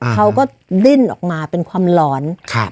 เขาก็ดิ้นออกมาเป็นความร้อน